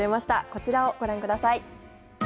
こちらをご覧ください。